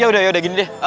ya udah ya udah gini deh